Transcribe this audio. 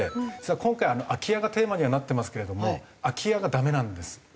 今回空き家がテーマにはなってますけれども空き家がダメなんです。